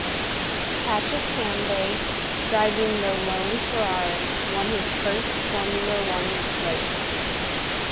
Patrick Tambay, driving the lone Ferrari, won his first Formula One race.